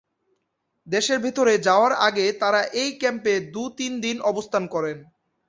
দেশের ভেতরে যাওয়ার আগে তারা এই ক্যাম্পে দু-তিন দিন অবস্থান করেন।